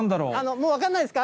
もう分からないですか？